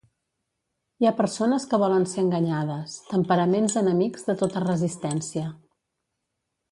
Hi ha persones que volen ser enganyades, temperaments enemics de tota resistència;